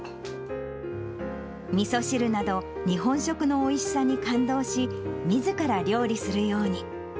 みそ汁など、日本食のおいしさに感動し、みずから料理するように。